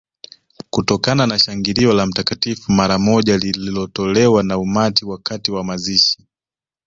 Kutokana na shangilio la Mtakatifu mara moja lililotolewa na umati wakati wa mazishi